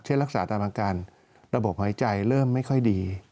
รักษาตามอาการระบบหายใจเริ่มไม่ค่อยดี